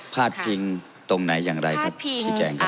ภาพิงตรงไหนอย่างไรครับชิคแจง